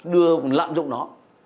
đưa lãng dụng nó